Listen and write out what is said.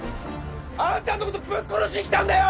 あんたのことぶっ殺しに来たんだよ！